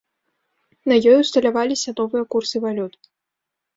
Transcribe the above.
На ёй усталяваліся новыя курсы валют.